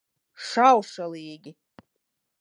Šaušalīgi.